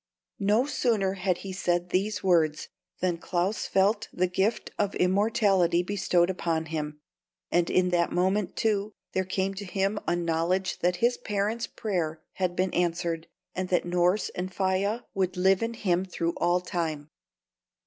No sooner had he said these words than Claus felt the gift of immortality bestowed upon him; and in that moment, too, there came to him a knowledge that his parents' prayer had been answered, and that Norss and Faia would live in him through all time.